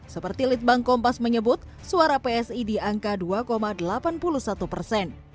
seperti litbang kompas menyebut suara psi di angka dua delapan puluh satu persen